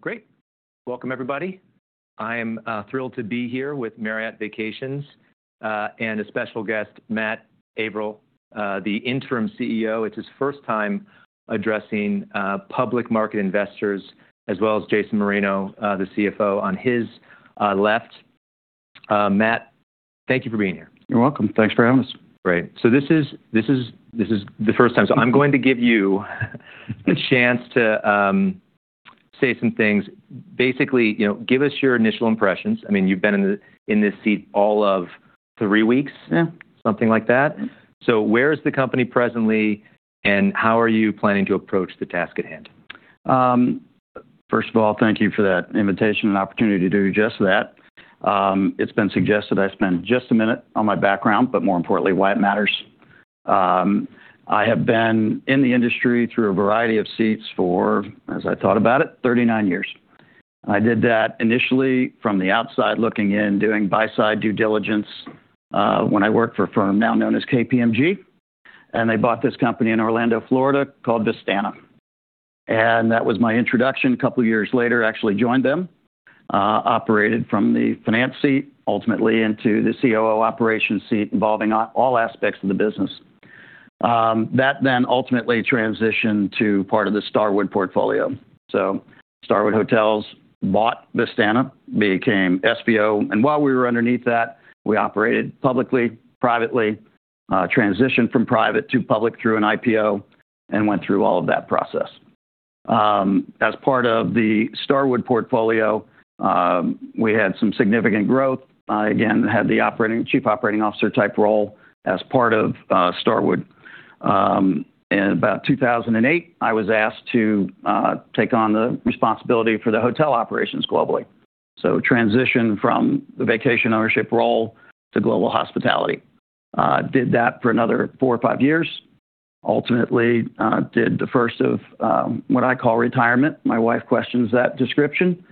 Great. Welcome, everybody. I am thrilled to be here with Marriott Vacations and a special guest, Matt Avril, the Interim CEO. It's his first time addressing public market investors, as well as Jason Marino, the CFO, on his left. Matt, thank you for being here. You're welcome. Thanks for having us. Great. So this is the first time. So I'm going to give you a chance to say some things. Basically, give us your initial impressions. I mean, you've been in this seat all of three weeks, something like that. So where is the company presently, and how are you planning to approach the task at hand? First of all, thank you for that invitation and opportunity to do just that. It's been suggested I spend just a minute on my background, but more importantly, why it matters. I have been in the industry through a variety of seats for, as I thought about it, 39 years. I did that initially from the outside, looking in, doing buy-side due diligence when I worked for a firm now known as KPMG. And they bought this company in Orlando, Florida, called Vistana. And that was my introduction. A couple of years later, I actually joined them, operated from the finance seat, ultimately into the COO operations seat involving all aspects of the business. That then ultimately transitioned to part of the Starwood portfolio. So Starwood Hotels bought Vistana, became SVO. While we were underneath that, we operated publicly, privately, transitioned from private to public through an IPO, and went through all of that process. As part of the Starwood portfolio, we had some significant growth. I again had the Chief Operating Officer type role as part of Starwood. In about 2008, I was asked to take on the responsibility for the hotel operations globally. Transitioned from the vacation ownership role to global hospitality. Did that for another four or five years. Ultimately, did the first of what I call retirement. My wife questions that description.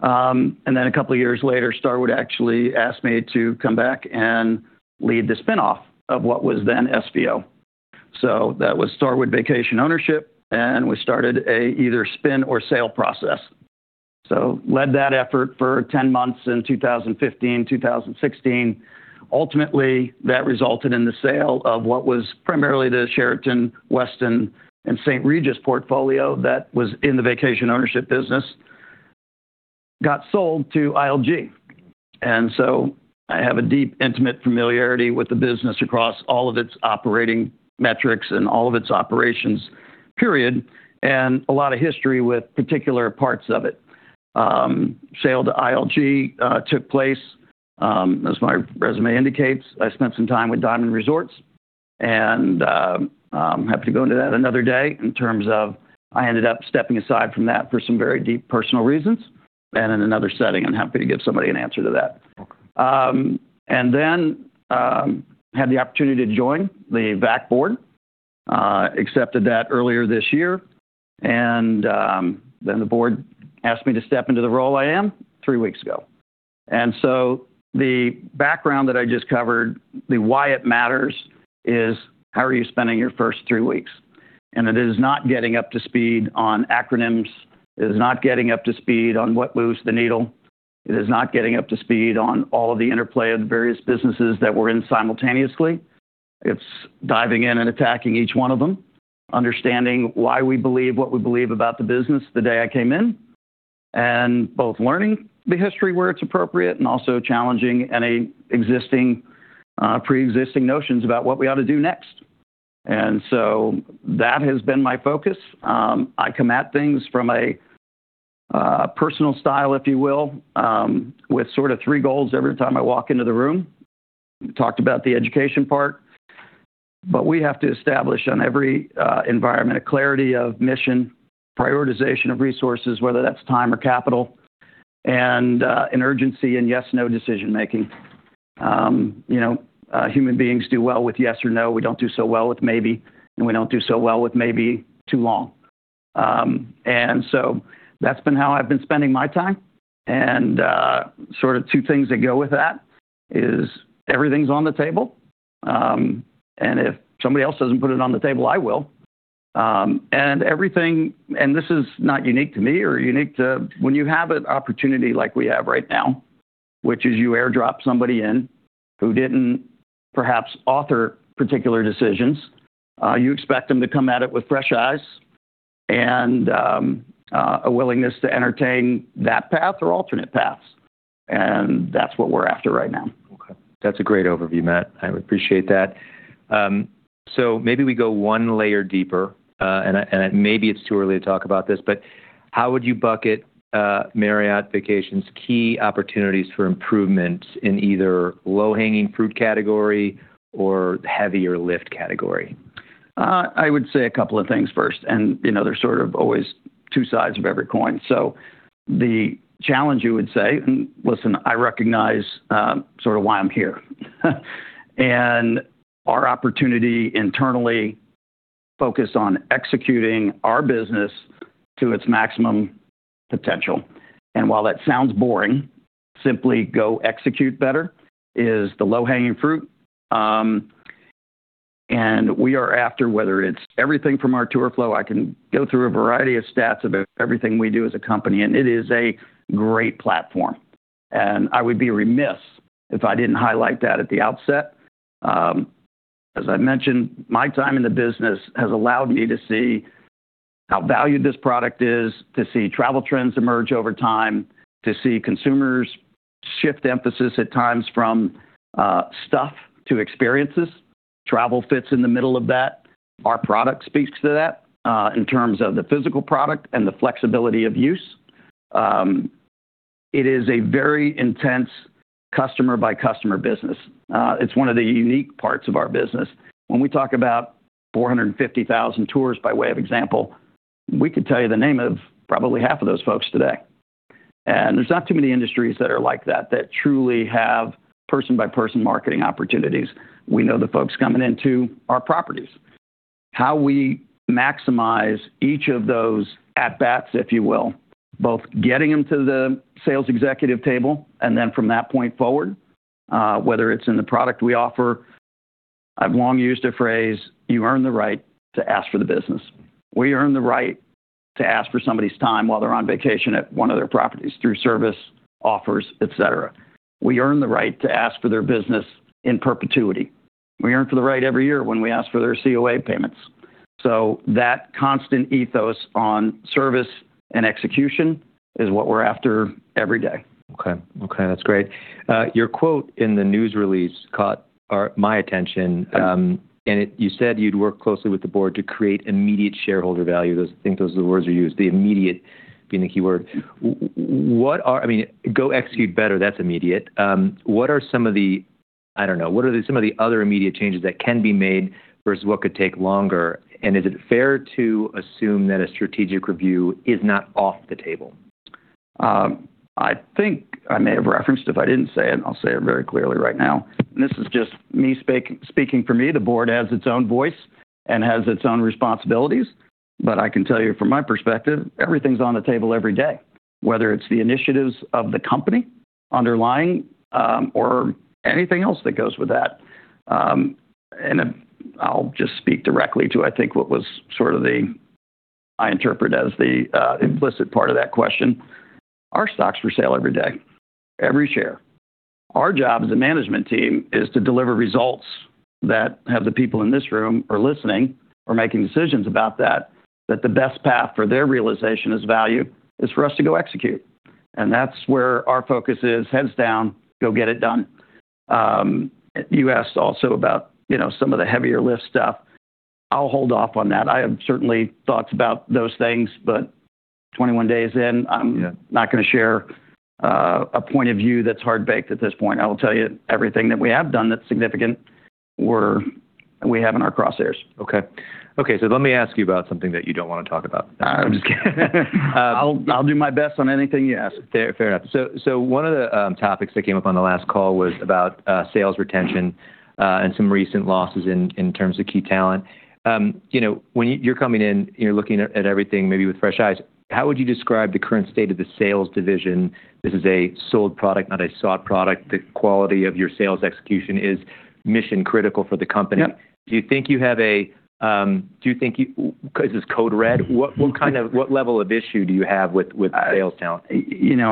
Then a couple of years later, Starwood actually asked me to come back and lead the spin-off of what was then SVO. That was Starwood Vacation Ownership, and we started an either spin or sale process. Led that effort for 10 months in 2015, 2016. Ultimately, that resulted in the sale of what was primarily the Sheraton, Westin, and St. Regis portfolio that was in the vacation ownership business, got sold to ILG, and so I have a deep, intimate familiarity with the business across all of its operating metrics and all of its operations, period, and a lot of history with particular parts of it. Sale to ILG took place, as my resume indicates. I spent some time with Diamond Resorts, and I'm happy to go into that another day in terms of I ended up stepping aside from that for some very deep personal reasons and in another setting. I'm happy to give somebody an answer to that, and then had the opportunity to join the VAC board, accepted that earlier this year, and then the board asked me to step into the role I am three weeks ago. And so, the background that I just covered, the why it matters is how are you spending your first three weeks? And it is not getting up to speed on acronyms. It is not getting up to speed on what moves the needle. It is not getting up to speed on all of the interplay of the various businesses that were in simultaneously. It's diving in and attacking each one of them, understanding why we believe what we believe about the business the day I came in, and both learning the history where it's appropriate and also challenging any pre-existing notions about what we ought to do next. And so that has been my focus. I come at things from a personal style, if you will, with sort of three goals every time I walk into the room. We talked about the education part, but we have to establish on every environment a clarity of mission, prioritization of resources, whether that's time or capital, and an urgency in yes/no decision-making. Human beings do well with yes or no. We don't do so well with maybe, and we don't do so well with maybe too long. And so that's been how I've been spending my time. And sort of two things that go with that is everything's on the table. And if somebody else doesn't put it on the table, I will. And this is not unique to me or unique to when you have an opportunity like we have right now, which is you airdrop somebody in who didn't perhaps author particular decisions, you expect them to come at it with fresh eyes and a willingness to entertain that path or alternate paths. That's what we're after right now. Okay. That's a great overview, Matt. I appreciate that. So maybe we go one layer deeper, and maybe it's too early to talk about this, but how would you bucket Marriott Vacations' key opportunities for improvement in either low-hanging fruit category or heavier lift category? I would say a couple of things first, and there's sort of always two sides of every coin. The challenge, you would say, and listen, I recognize sort of why I'm here. Our opportunity internally focused on executing our business to its maximum potential. While that sounds boring, simply go execute better is the low-hanging fruit. We are after whether it's everything from our tour flow. I can go through a variety of stats of everything we do as a company, and it is a great platform. I would be remiss if I didn't highlight that at the outset. As I mentioned, my time in the business has allowed me to see how valued this product is, to see travel trends emerge over time, to see consumers shift emphasis at times from stuff to experiences. Travel fits in the middle of that. Our product speaks to that in terms of the physical product and the flexibility of use. It is a very intense customer-by-customer business. It's one of the unique parts of our business. When we talk about 450,000 tours by way of example, we could tell you the name of probably half of those folks today. There's not too many industries that are like that, that truly have person-by-person marketing opportunities. We know the folks coming into our properties. How we maximize each of those at-bats, if you will, both getting them to the sales executive table and then from that point forward, whether it's in the product we offer. I've long used a phrase, "You earn the right to ask for the business." We earn the right to ask for somebody's time while they're on vacation at one of their properties through service offers, etc. We earn the right to ask for their business in perpetuity. We earn the right every year when we ask for their COA payments. So that constant ethos on service and execution is what we're after every day. Okay. Okay. That's great. Your quote in the news release caught my attention, and you said you'd work closely with the board to create immediate shareholder value. I think those are the words you used, the immediate being the key word. I mean, go execute better, that's immediate. What are some of the other immediate changes that can be made versus what could take longer, and is it fair to assume that a strategic review is not off the table? I think I may have referenced it. If I didn't say it, I'll say it very clearly right now. And this is just me speaking for me. The board has its own voice and has its own responsibilities. But I can tell you from my perspective, everything's on the table every day, whether it's the initiatives of the company underlying or anything else that goes with that. And I'll just speak directly to, I think, what was sort of the—I interpret as the implicit part of that question. Our stocks for sale every day, every share. Our job as a management team is to deliver results that have the people in this room or listening or making decisions about that, that the best path for their realization is value, is for us to go execute. And that's where our focus is, heads down, go get it done. You asked also about some of the heavier lift stuff. I'll hold off on that. I have, certainly, thoughts about those things, but 21 days in, I'm not going to share a point of view that's hard-baked at this point. I will tell you everything that we have done that's significant, we have in our crosshairs. Okay. Okay. So let me ask you about something that you don't want to talk about. I'm just kidding. I'll do my best on anything you ask. Fair enough. So one of the topics that came up on the last call was about sales retention and some recent losses in terms of key talent. When you're coming in, you're looking at everything maybe with fresh eyes. How would you describe the current state of the sales division? This is a sold product, not a sought product. The quality of your sales execution is mission-critical for the company. Do you think you have a code red? What level of issue do you have with sales talent? And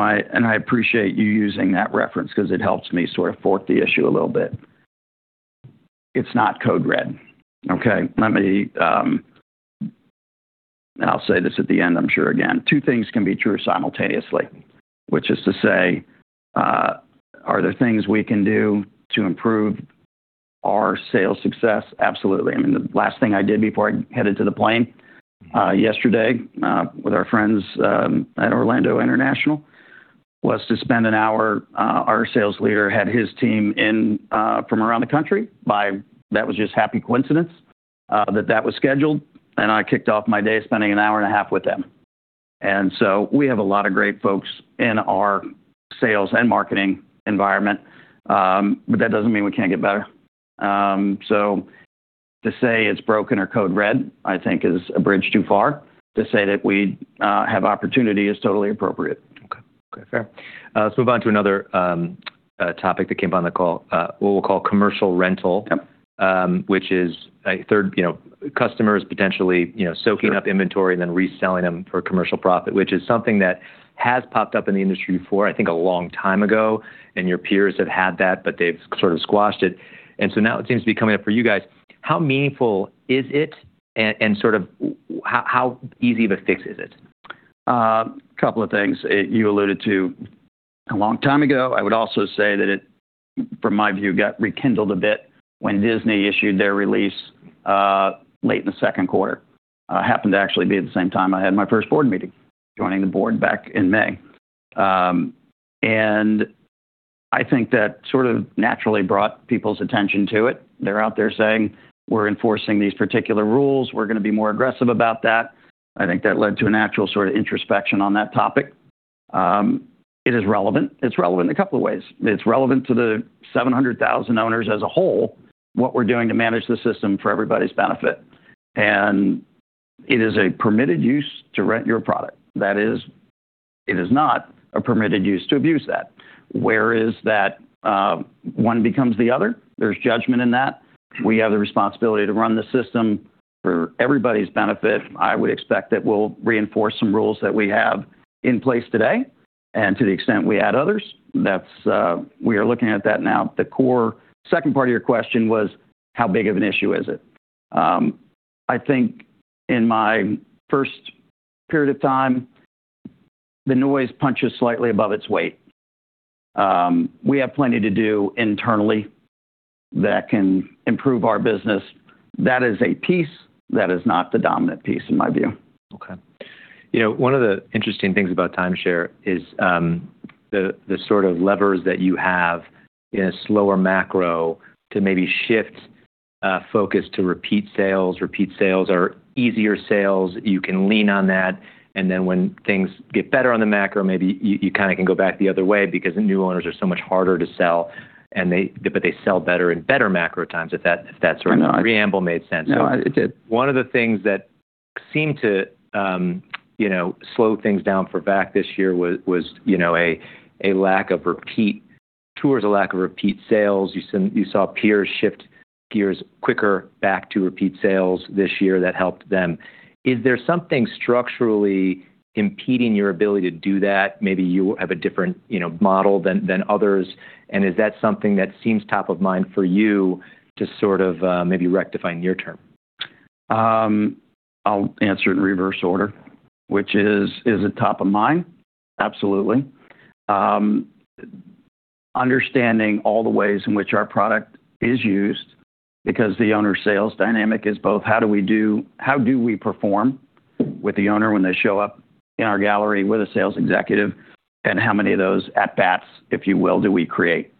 I appreciate you using that reference because it helps me sort of fork the issue a little bit. It's not code red. Okay. I'll say this at the end, I'm sure again. Two things can be true simultaneously, which is to say, are there things we can do to improve our sales success? Absolutely. I mean, the last thing I did before I headed to the plane yesterday with our friends at Orlando International was to spend an hour. Our sales leader had his team in from around the country. That was just happy coincidence that that was scheduled. And I kicked off my day spending an hour and a half with them. And so we have a lot of great folks in our sales and marketing environment, but that doesn't mean we can't get better. So to say it's broken or code red, I think, is a bridge too far. To say that we have opportunity is totally appropriate. Okay. Okay. Fair. Let's move on to another topic that came up on the call, what we'll call commercial rental, which is customers potentially soaking up inventory and then reselling them for commercial profit, which is something that has popped up in the industry before, I think, a long time ago. And your peers have had that, but they've sort of squashed it. And so now it seems to be coming up for you guys. How meaningful is it? And sort of how easy of a fix is it? A couple of things. You alluded to a long time ago. I would also say that it, from my view, got rekindled a bit when Disney issued their release late in the second quarter. Happened to actually be at the same time I had my first board meeting, joining the board back in May. And I think that sort of naturally brought people's attention to it. They're out there saying, "We're enforcing these particular rules. We're going to be more aggressive about that." I think that led to a natural sort of introspection on that topic. It is relevant. It's relevant in a couple of ways. It's relevant to the 700,000 owners as a whole, what we're doing to manage the system for everybody's benefit. And it is a permitted use to rent your product. That is, it is not a permitted use to abuse that. Whereas that one becomes the other, there's judgment in that. We have the responsibility to run the system for everybody's benefit. I would expect that we'll reinforce some rules that we have in place today, and to the extent we add others, we are looking at that now. The core second part of your question was, how big of an issue is it? I think in my first period of time, the noise punches slightly above its weight. We have plenty to do internally that can improve our business. That is a piece. That is not the dominant piece in my view. Okay. One of the interesting things about timeshare is the sort of levers that you have in a slower macro to maybe shift focus to repeat sales. Repeat sales are easier sales. You can lean on that. And then when things get better on the macro, maybe you kind of can go back the other way because new owners are so much harder to sell, but they sell better in better macro times if that sort of preamble made sense. No, it did. One of the things that seemed to slow things down for VAC this year was a lack of repeat tours, a lack of repeat sales. You saw peers shift gears quicker back to repeat sales this year that helped them. Is there something structurally impeding your ability to do that? Maybe you have a different model than others. And is that something that seems top of mind for you to sort of maybe rectify in your term? I'll answer it in reverse order, which is, is it top of mind? Absolutely. Understanding all the ways in which our product is used because the owner's sales dynamic is both how do we perform with the owner when they show up in our gallery with a sales executive and how many of those at-bats, if you will, do we create,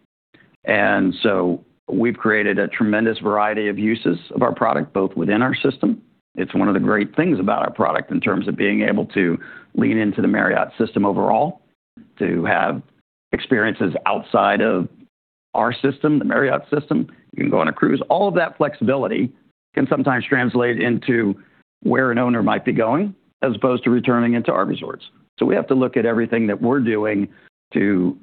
and so we've created a tremendous variety of uses of our product both within our system. It's one of the great things about our product in terms of being able to lean into the Marriott system overall, to have experiences outside of our system, the Marriott system. You can go on a cruise. All of that flexibility can sometimes translate into where an owner might be going as opposed to returning into our resorts. So we have to look at everything that we're doing to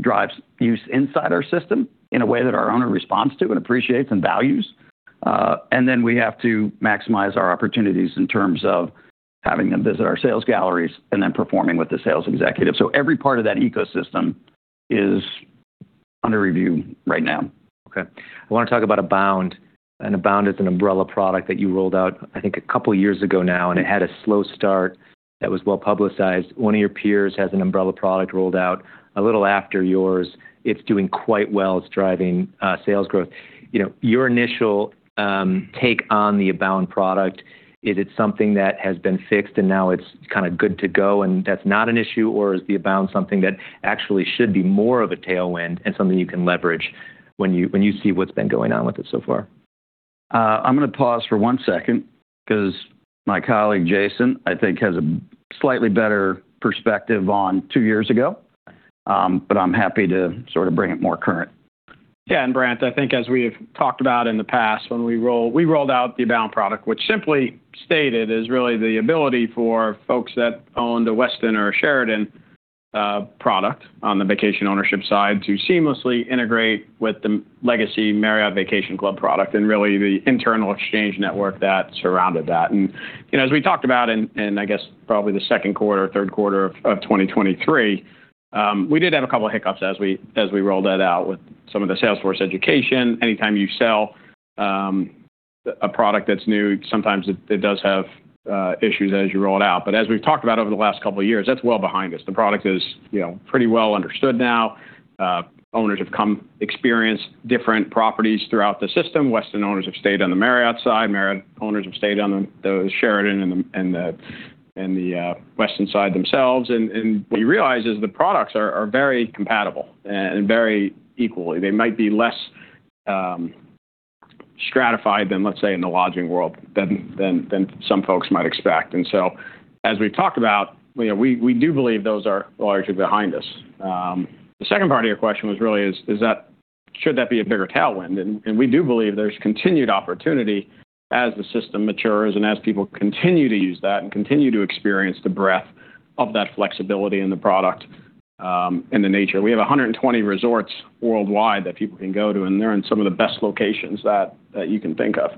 drive use inside our system in a way that our owner responds to and appreciates and values. And then we have to maximize our opportunities in terms of having them visit our sales galleries and then performing with the sales executive. So every part of that ecosystem is under review right now. Okay. I want to talk about Abound, and Abound is an umbrella product that you rolled out, I think, a couple of years ago now, and it had a slow start that was well publicized. One of your peers has an umbrella product rolled out a little after yours. It's doing quite well. It's driving sales growth. Your initial take on the Abound product, is it something that has been fixed and now it's kind of good to go and that's not an issue, or is the Abound something that actually should be more of a tailwind and something you can leverage when you see what's been going on with it so far? I'm going to pause for one second because my colleague, Jason, I think, has a slightly better perspective on two years ago, but I'm happy to sort of bring it more current. Yeah. And Brent, I think as we have talked about in the past, when we rolled out the Abound product, which simply stated is really the ability for folks that owned a Westin or a Sheraton product on the vacation ownership side to seamlessly integrate with the legacy Marriott Vacation Club product and really the internal exchange network that surrounded that. And as we talked about in, I guess, probably the second quarter or third quarter of 2023, we did have a couple of hiccups as we rolled that out with some of the sales force education. Anytime you sell a product that's new, sometimes it does have issues as you roll it out. But as we've talked about over the last couple of years, that's well behind us. The product is pretty well understood now. Owners have experienced different properties throughout the system. Westin owners have stayed on the Marriott side. Marriott owners have stayed on the Sheraton and the Westin side themselves. And what you realize is the products are very compatible and very equal. They might be less stratified than, let's say, in the lodging world than some folks might expect. And so as we've talked about, we do believe those are largely behind us. The second part of your question was really, should that be a bigger tailwind? And we do believe there's continued opportunity as the system matures and as people continue to use that and continue to experience the breadth of that flexibility in the product and the nature. We have 120 resorts worldwide that people can go to, and they're in some of the best locations that you can think of.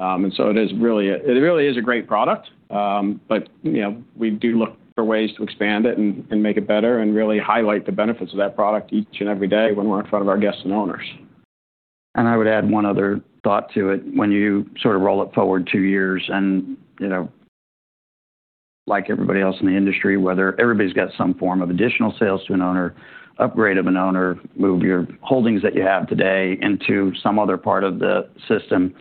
It really is a great product, but we do look for ways to expand it and make it better and really highlight the benefits of that product each and every day when we're in front of our guests and owners. And I would add one other thought to it. When you sort of roll it forward two years and like everybody else in the industry, whether everybody's got some form of additional sales to an owner, upgrade of an owner, move your holdings that you have today into some other part of the system,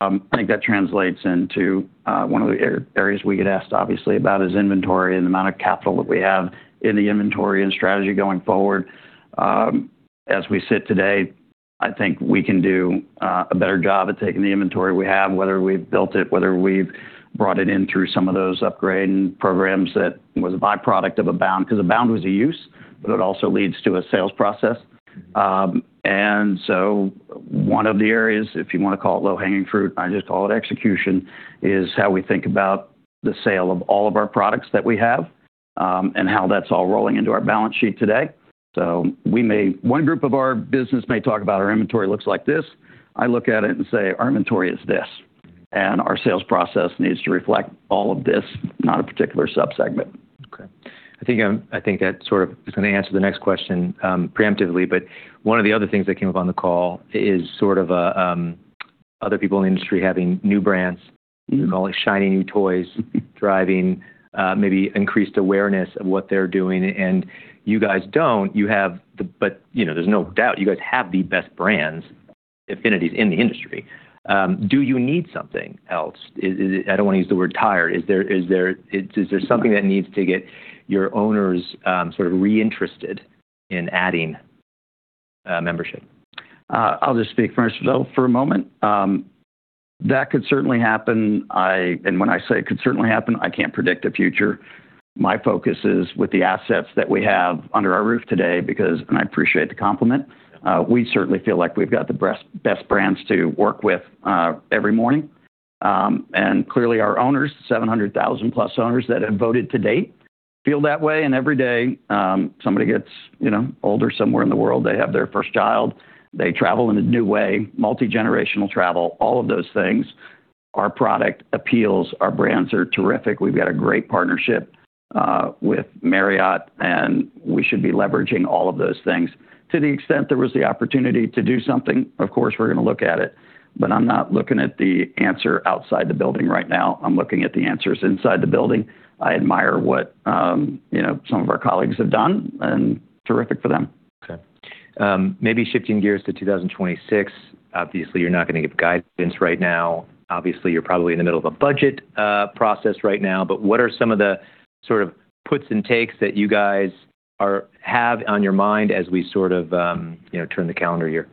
I think that translates into one of the areas we get asked, obviously, about is inventory and the amount of capital that we have in the inventory and strategy going forward. As we sit today, I think we can do a better job at taking the inventory we have, whether we've built it, whether we've brought it in through some of those upgrade programs that was a byproduct of Abound, because Abound was a use, but it also leads to a sales process. And so one of the areas, if you want to call it low-hanging fruit, I just call it execution, is how we think about the sale of all of our products that we have and how that's all rolling into our balance sheet today. So one group of our business may talk about our inventory looks like this. I look at it and say, "Our inventory is this." And our sales process needs to reflect all of this, not a particular subsegment. Okay. I think that sort of is going to answer the next question preemptively, but one of the other things that came up on the call is sort of other people in the industry having new brands, calling it shiny new toys, driving maybe increased awareness of what they're doing. And you guys don't. But there's no doubt you guys have the best brands, affinities in the industry. Do you need something else? I don't want to use the word tired. Is there something that needs to get your owners sort of re-interested in adding membership? I'll just speak first for a moment. That could certainly happen. And when I say it could certainly happen, I can't predict the future. My focus is with the assets that we have under our roof today, because I appreciate the compliment. We certainly feel like we've got the best brands to work with every morning. And clearly, our owners, 700,000 plus owners that have voted to date, feel that way. And every day somebody gets older somewhere in the world. They have their first child. They travel in a new way, multi-generational travel, all of those things. Our product appeals. Our brands are terrific. We've got a great partnership with Marriott, and we should be leveraging all of those things. To the extent there was the opportunity to do something, of course, we're going to look at it. But I'm not looking at the answer outside the building right now. I'm looking at the answers inside the building. I admire what some of our colleagues have done, and terrific for them. Okay. Maybe shifting gears to 2026. Obviously, you're not going to give guidance right now. Obviously, you're probably in the middle of a budget process right now. But what are some of the sort of puts and takes that you guys have on your mind as we sort of turn the calendar year?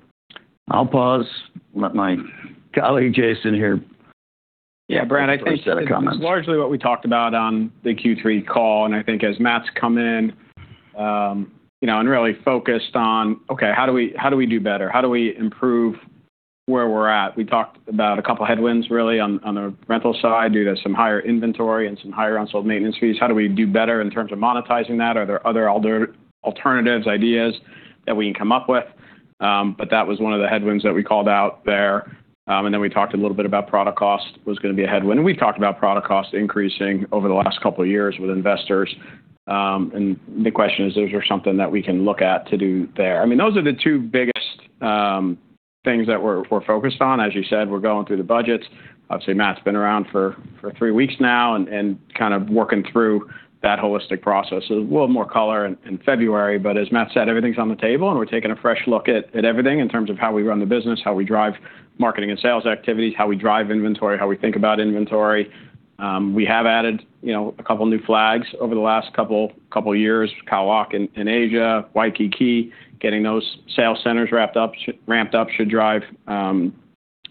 I'll pause. Let my colleague Jason hear. Yeah, Brent, I think it's largely what we talked about on the Q3 call. And I think as Matt's come in and really focused on, "Okay, how do we do better? How do we improve where we're at?" We talked about a couple of headwinds really on the rental side. Due to some higher inventory and some higher unsold maintenance fees, how do we do better in terms of monetizing that? Are there other alternatives, ideas that we can come up with? But that was one of the headwinds that we called out there. And then we talked a little bit about product cost was going to be a headwind. And we've talked about product cost increasing over the last couple of years with investors. And the question is, is there something that we can look at to do there? I mean, those are the two biggest things that we're focused on. As you said, we're going through the budgets. Obviously, Matt's been around for three weeks now and kind of working through that holistic process. There's a little more color in February. But as Matt said, everything's on the table, and we're taking a fresh look at everything in terms of how we run the business, how we drive marketing and sales activities, how we drive inventory, how we think about inventory. We have added a couple of new flags over the last couple of years, Khao Lak in Asia, Waikiki, getting those sales centers ramped up should drive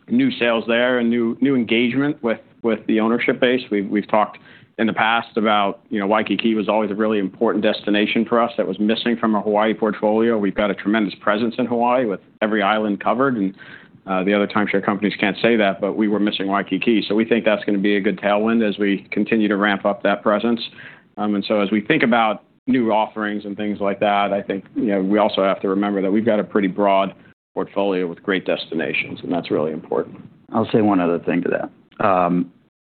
new sales there and new engagement with the ownership base. We've talked in the past about Waikiki was always a really important destination for us that was missing from our Hawaii portfolio. We've got a tremendous presence in Hawaii with every island covered, and the other timeshare companies can't say that, but we were missing Waikiki, so we think that's going to be a good tailwind as we continue to ramp up that presence, and so as we think about new offerings and things like that, I think we also have to remember that we've got a pretty broad portfolio with great destinations, and that's really important. I'll say one other thing to that.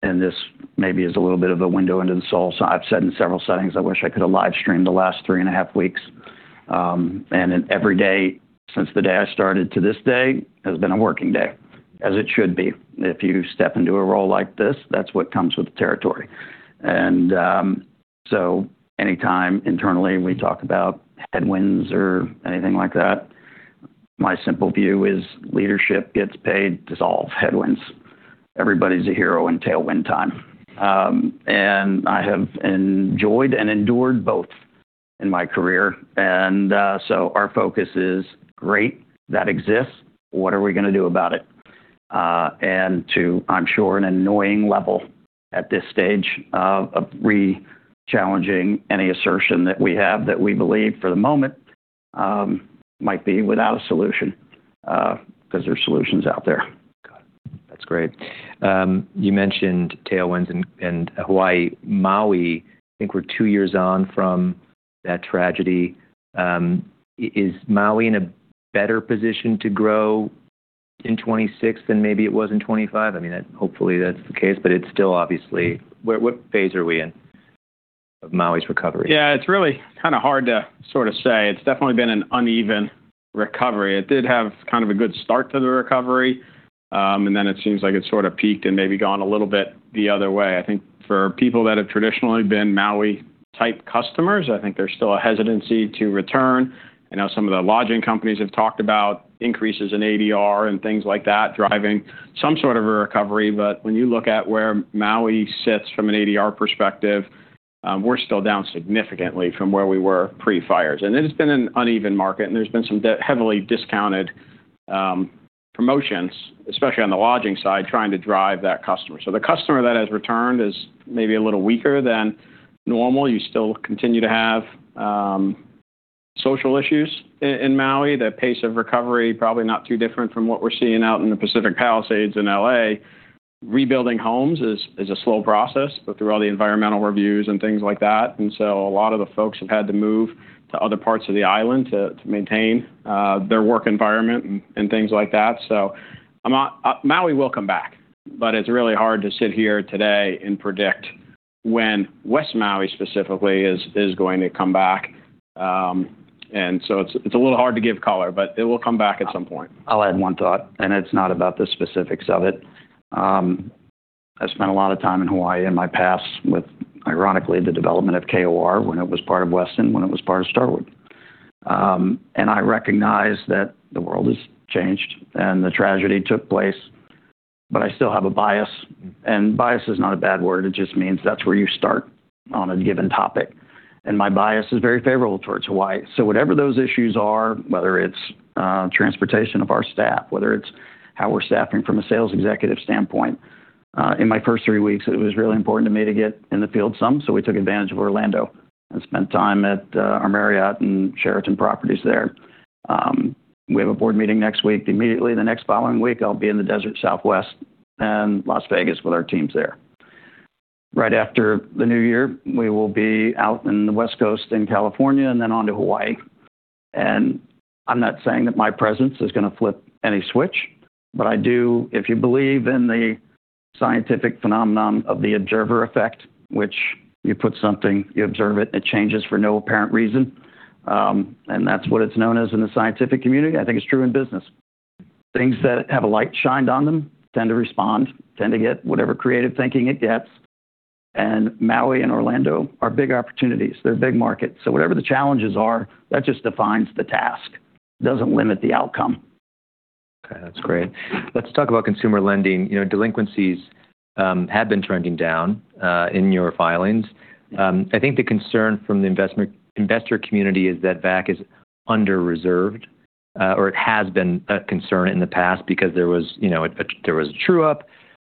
And this maybe is a little bit of a window into the soul. So I've said in several settings, I wish I could have live streamed the last three and a half weeks. And every day since the day I started to this day has been a working day, as it should be. If you step into a role like this, that's what comes with the territory. And so anytime internally we talk about headwinds or anything like that, my simple view is leadership gets paid to solve headwinds. Everybody's a hero in tailwind time. And so our focus is, "Great, that exists. What are we going to do about it?" And too, I'm sure, an annoying level at this stage of re-challenging any assertion that we have that we believe for the moment might be without a solution because there's solutions out there. Got it. That's great. You mentioned tailwinds in Hawaii. Maui, I think we're two years on from that tragedy. Is Maui in a better position to grow in 2026 than maybe it was in 2025? I mean, hopefully that's the case, but it's still obviously what phase are we in of Maui's recovery? Yeah, it's really kind of hard to sort of say. It's definitely been an uneven recovery. It did have kind of a good start to the recovery, and then it seems like it sort of peaked and maybe gone a little bit the other way. I think for people that have traditionally been Maui-type customers, I think there's still a hesitancy to return, and now some of the lodging companies have talked about increases in ADR and things like that driving some sort of a recovery. But when you look at where Maui sits from an ADR perspective, we're still down significantly from where we were pre-fires, and it has been an uneven market, and there's been some heavily discounted promotions, especially on the lodging side, trying to drive that customer, so the customer that has returned is maybe a little weaker than normal. You still continue to have social issues in Maui. That pace of recovery probably not too different from what we're seeing out in the Pacific Palisades in LA. Rebuilding homes is a slow process, but through all the environmental reviews and things like that, and so a lot of the folks have had to move to other parts of the island to maintain their work environment and things like that, so Maui will come back, but it's really hard to sit here today and predict when West Maui specifically is going to come back, and so it's a little hard to give color, but it will come back at some point. I'll add one thought, and it's not about the specifics of it. I spent a lot of time in Hawaii in my past with, ironically, the development of KOR when it was part of Westin, when it was part of Starwood, and I recognize that the world has changed and the tragedy took place, but I still have a bias, and bias is not a bad word. It just means that's where you start on a given topic, and my bias is very favorable towards Hawaii, so whatever those issues are, whether it's transportation of our staff, whether it's how we're staffing from a sales executive standpoint, in my first three weeks, it was really important to me to get in the field some, so we took advantage of Orlando and spent time at our Marriott and Sheraton properties there. We have a board meeting next week. Immediately the next following week, I'll be in the Desert Southwest and Las Vegas with our teams there. Right after the new year, we will be out in the West Coast in California and then on to Hawaii, and I'm not saying that my presence is going to flip any switch, but I do. If you believe in the scientific phenomenon of the observer effect, which you put something, you observe it, and it changes for no apparent reason, and that's what it's known as in the scientific community, I think it's true in business. Things that have a light shined on them tend to respond, tend to get whatever creative thinking it gets, and Maui and Orlando are big opportunities. They're big markets, so whatever the challenges are, that just defines the task. It doesn't limit the outcome. Okay, that's great. Let's talk about consumer lending. Delinquencies have been trending down in your filings. I think the concern from the investor community is that VAC is under-reserved, or it has been a concern in the past because there was a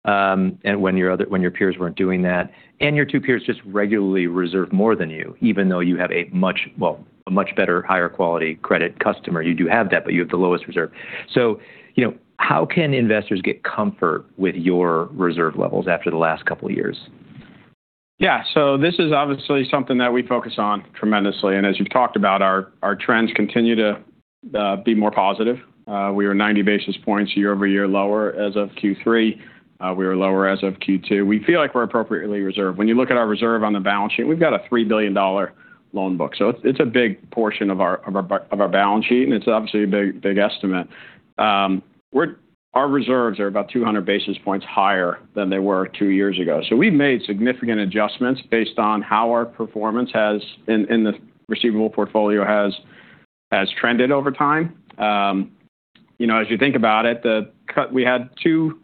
true-up when your peers weren't doing that, and your two peers just regularly reserve more than you, even though you have a much better, higher-quality credit customer. You do have that, but you have the lowest reserve, so how can investors get comfort with your reserve levels after the last couple of years? Yeah. So this is obviously something that we focus on tremendously. And as you've talked about, our trends continue to be more positive. We were 90 basis points year over year lower as of Q3. We were lower as of Q2. We feel like we're appropriately reserved. When you look at our reserve on the balance sheet, we've got a $3 billion loan book. So it's a big portion of our balance sheet, and it's obviously a big estimate. Our reserves are about 200 basis points higher than they were two years ago. So we've made significant adjustments based on how our performance in the receivable portfolio has trended over time. As you think about it, we had two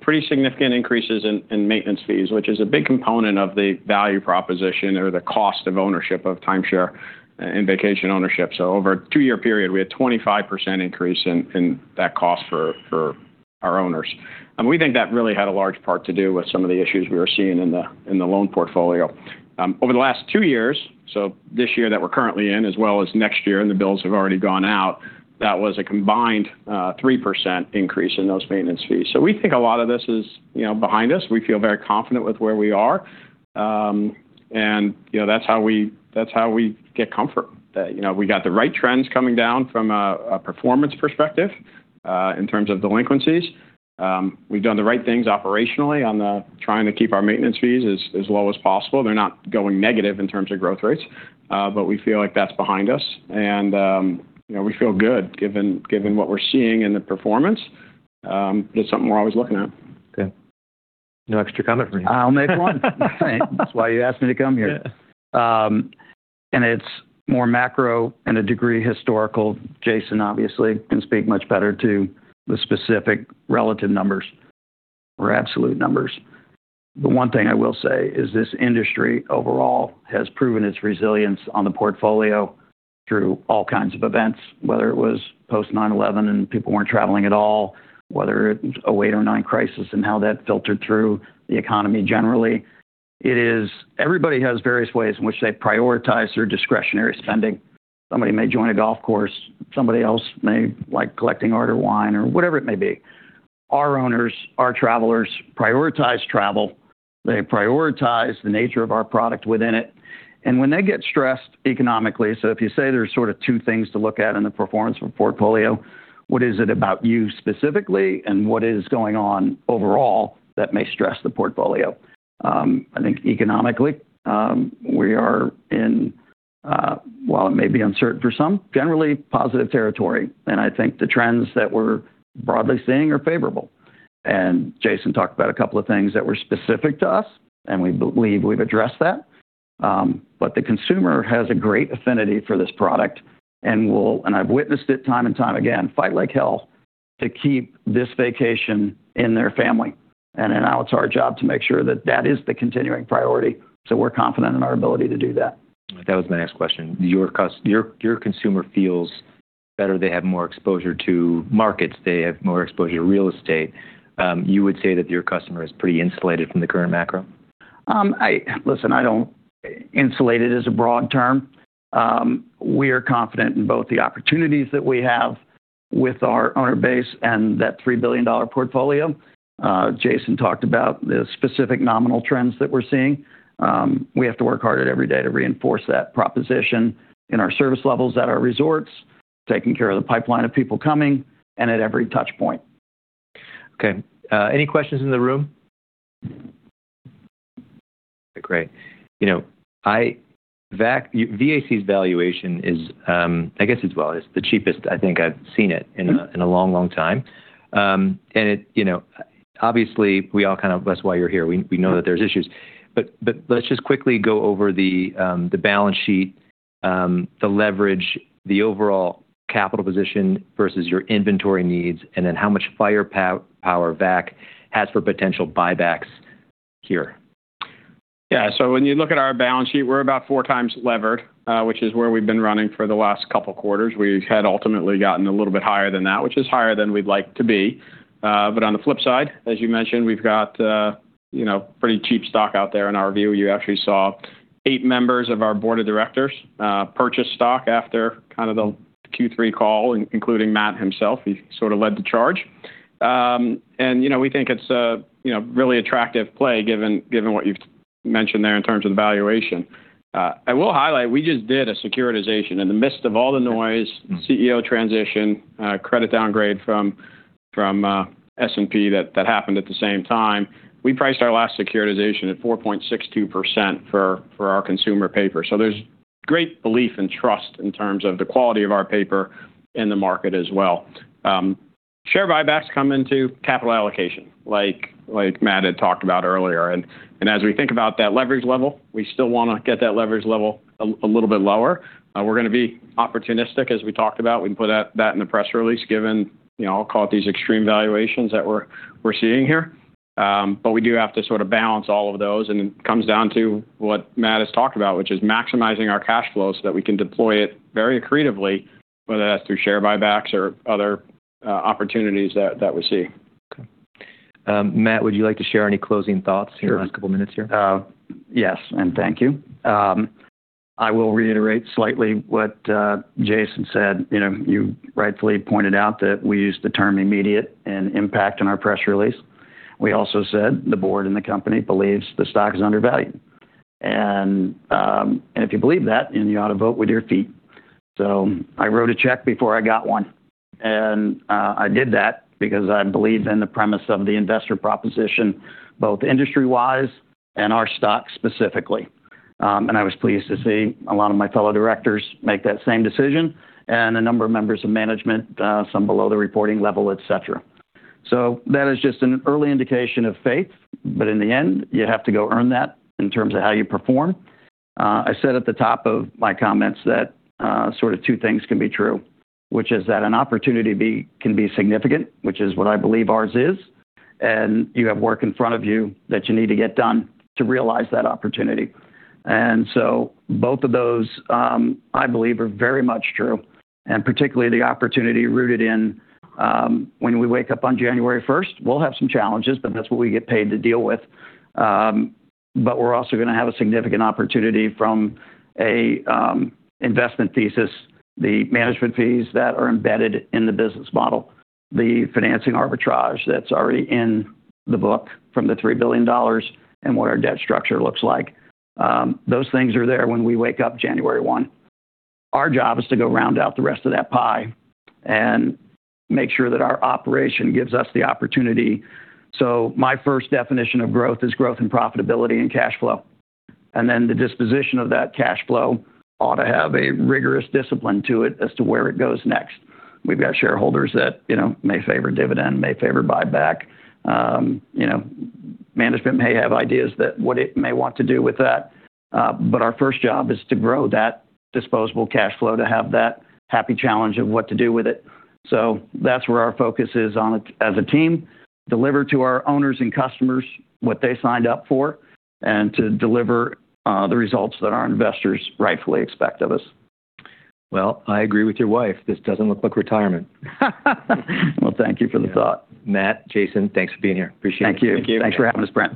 pretty significant increases in maintenance fees, which is a big component of the value proposition or the cost of ownership of timeshare and vacation ownership. So over a two-year period, we had a 25% increase in that cost for our owners. And we think that really had a large part to do with some of the issues we were seeing in the loan portfolio. Over the last two years, so this year that we're currently in, as well as next year, and the bills have already gone out, that was a combined 3% increase in those maintenance fees. So we think a lot of this is behind us. We feel very confident with where we are. And that's how we get comfort. We got the right trends coming down from a performance perspective in terms of delinquencies. We've done the right things operationally on trying to keep our maintenance fees as low as possible. They're not going negative in terms of growth rates, but we feel like that's behind us. We feel good given what we're seeing in the performance. It's something we're always looking at. Okay. No extra comment from you. I'll make one. That's why you asked me to come here, and it's more macro and a degree historical. Jason, obviously, can speak much better to the specific relative numbers or absolute numbers. The one thing I will say is this industry overall has proven its resilience on the portfolio through all kinds of events, whether it was post-9/11 and people weren't traveling at all, whether it was a 2008 or 2009 crisis and how that filtered through the economy generally. Everybody has various ways in which they prioritize their discretionary spending. Somebody may join a golf course. Somebody else may like collecting art or wine or whatever it may be. Our owners, our travelers prioritize travel. They prioritize the nature of our product within it. When they get stressed economically, so if you say there's sort of two things to look at in the performance of a portfolio, what is it about you specifically and what is going on overall that may stress the portfolio? I think economically, we are in, while it may be uncertain for some, generally positive territory. I think the trends that we're broadly seeing are favorable. Jason talked about a couple of things that were specific to us, and we believe we've addressed that. The consumer has a great affinity for this product and will, and I've witnessed it time and time again, fight like hell to keep this vacation in their family. Now it's our job to make sure that that is the continuing priority so we're confident in our ability to do that. That was my next question. Your consumer feels better. They have more exposure to markets. They have more exposure to real estate. You would say that your customer is pretty insulated from the current macro? Listen, I don't insulate it as a broad term. We are confident in both the opportunities that we have with our owner base and that $3 billion portfolio. Jason talked about the specific nominal trends that we're seeing. We have to work harder every day to reinforce that proposition in our service levels at our resorts, taking care of the pipeline of people coming and at every touchpoint. Okay. Any questions in the room? Great. VAC's valuation is, I guess it's the cheapest, I think I've seen it in a long, long time. And obviously, we all kind of, that's why you're here. We know that there's issues. But let's just quickly go over the balance sheet, the leverage, the overall capital position versus your inventory needs, and then how much firepower VAC has for potential buybacks here. Yeah. So, when you look at our balance sheet, we're about four times levered, which is where we've been running for the last couple of quarters. We had ultimately gotten a little bit higher than that, which is higher than we'd like to be. But on the flip side, as you mentioned, we've got pretty cheap stock out there. In our view, you actually saw eight members of our board of directors purchase stock after kind of the Q3 call, including Matt himself. He sort of led the charge. And we think it's a really attractive play given what you've mentioned there in terms of the valuation. I will highlight. We just did a securitization in the midst of all the noise, CEO transition, credit downgrade from S&P that happened at the same time. We priced our last securitization at 4.62% for our consumer paper. So there's great belief and trust in terms of the quality of our paper in the market as well. Share buybacks come into capital allocation, like Matt had talked about earlier. And as we think about that leverage level, we still want to get that leverage level a little bit lower. We're going to be opportunistic, as we talked about. We can put that in the press release given, I'll call it these extreme valuations that we're seeing here. But we do have to sort of balance all of those. And it comes down to what Matt has talked about, which is maximizing our cash flow so that we can deploy it very accretively, whether that's through share buybacks or other opportunities that we see. Okay. Matt, would you like to share any closing thoughts in the last couple of minutes here? Yes. And thank you. I will reiterate slightly what Jason said. You rightfully pointed out that we used the term immediate and impact in our press release. We also said the board and the company believes the stock is undervalued. And if you believe that, then you ought to vote with your feet. So I wrote a check before I got one. And I did that because I believe in the premise of the investor proposition, both industry-wise and our stock specifically. And I was pleased to see a lot of my fellow directors make that same decision and a number of members of management, some below the reporting level, etc. So that is just an early indication of faith. But in the end, you have to go earn that in terms of how you perform. I said at the top of my comments that sort of two things can be true, which is that an opportunity can be significant, which is what I believe ours is. And you have work in front of you that you need to get done to realize that opportunity. And so both of those, I believe, are very much true. And particularly the opportunity rooted in when we wake up on January 1st, we'll have some challenges, but that's what we get paid to deal with. But we're also going to have a significant opportunity from an investment thesis, the management fees that are embedded in the business model, the financing arbitrage that's already in the book from the $3 billion and what our debt structure looks like. Those things are there when we wake up January. Our job is to go round out the rest of that pie and make sure that our operation gives us the opportunity. So my first definition of growth is growth and profitability and cash flow. And then the disposition of that cash flow ought to have a rigorous discipline to it as to where it goes next. We've got shareholders that may favor dividend, may favor buyback. Management may have ideas that what it may want to do with that. But our first job is to grow that disposable cash flow to have that happy challenge of what to do with it. So that's where our focus is on it as a team, deliver to our owners and customers what they signed up for and to deliver the results that our investors rightfully expect of us. Well, I agree with your wife. This doesn't look like retirement. Well, thank you for the thought. Matt, Jason, thanks for being here. Appreciate it. Thank you. Thanks for having us, Brent.